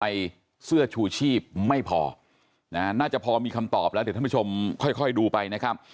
เสื้อชูชีพไม่พอนะฮะน่าจะพอมีคำตอบแล้วเดี๋ยวท่านผู้ชมค่อยดูไปนะครับ